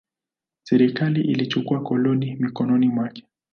Serikali ilichukua koloni mikononi mwake.